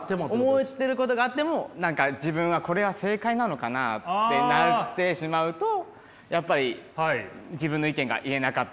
思ってることがあっても自分は「これは正解なのかな？」ってなってしまうとやっぱり自分の意見が言えなかったりとか。